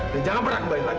dan jangan pernah kembali lagi